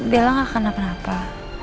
bella gak kena apa apa